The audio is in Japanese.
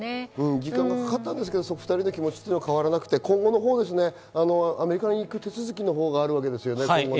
時間はかかったけどお２人の気持ちは変わらなくて、今後アメリカに行く手続きがあるわけですよね。